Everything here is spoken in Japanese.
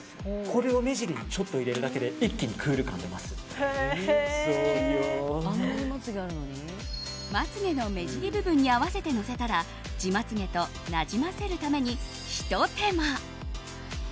これを目尻にちょっと入れるだけで一気にまつ毛の目尻部分に合わせてのせたら自まつ毛となじませるためにひと手間。